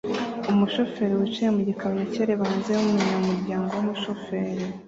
Umushoferi wicaye mu gikamyo cye areba hanze yumuryango wumushoferi